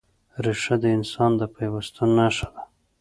ریښه د انسان د پیوستون نښه ده.